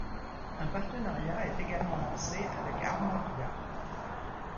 Un partenariat est également lancé avec Armavia.